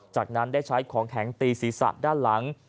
จากนั้นได้ใช้ของแข็งตีศีรษะด้านหลัง